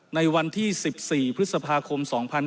ในวันที่๑๔พฤษภาคม๒๕๖๒